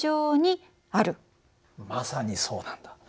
まさにそうなんだ。